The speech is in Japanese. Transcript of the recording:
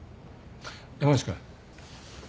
山内君。